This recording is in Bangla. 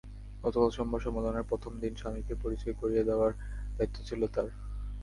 গতকাল সোমবার সম্মেলনের প্রথম দিন স্বামীকে পরিচয় করিয়ে দেওয়ার দায়িত্ব ছিল তাঁর।